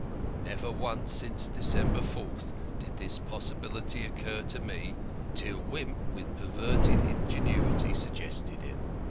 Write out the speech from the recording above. Never once since December 4th did this possibility occur to me, till Wimp with perverted ingenuity suggested it.